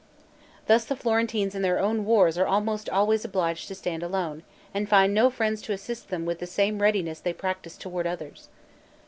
Thus the Florentines in their own wars are almost always obliged to stand alone, and find no friends to assist them with the same readiness they practice toward others.